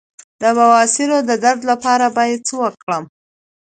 د بواسیر د درد لپاره باید څه وکړم؟